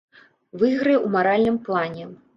Выйграе ў маральным плане.